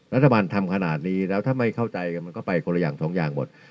แล้วถ้ามันทำขนาดนี้แล้วถ้าไม่เข้าใจก็ไปกับกลายอย่าง๒อย่างหมด